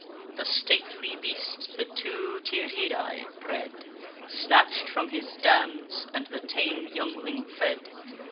The stately beast the two Tyrrhidae bred, Snatch'd from his dams, and the tame youngling fed.